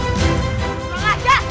tidak ada rancangan